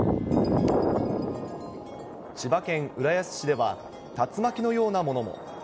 千葉県浦安市では、竜巻のようなものも。